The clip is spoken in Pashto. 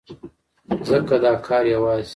ځکه دا کار يوازې